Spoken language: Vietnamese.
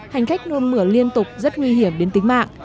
hành khách nôn mửa liên tục rất nguy hiểm đến tính mạng